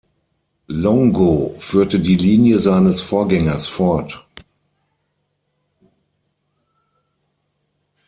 Longo führte die Linie seines Vorgängers fort.